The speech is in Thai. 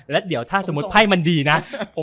แล้วเดี๋ยวถ้าสมมุติไพ่มันดีนะ